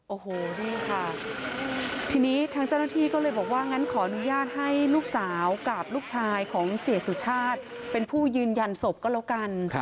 โอ้โหนี่ค่ะทีนี้ทางเจ้าหน้าที่ก็เลยบอกว่างั้นขออนุญาตให้ลูกสาวกับลูกชายของเสียสุชาติเป็นผู้ยืนยันศพก็แล้วกัน